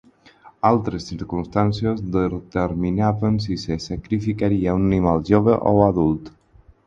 Altres circumstàncies determinaven si se sacrificaria un animal jove o adult.